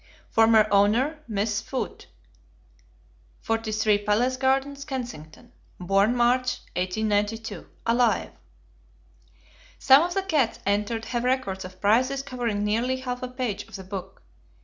Former owner, Mrs. Foote, 43 Palace Gardens, Kensington. Born March, 1892. Alive. Some of the cats entered have records of prizes covering nearly half a page of the book.